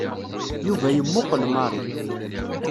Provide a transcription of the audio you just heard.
Yuba yemmuqel Mary.